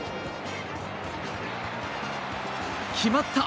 決まった！